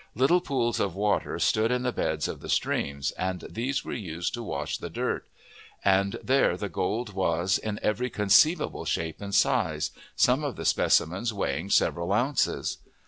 Little pools of water stood in the beds of the streams, and these were used to wash the dirt; and there the gold was in every conceivable shape and size, some of the specimens weighing several ounces.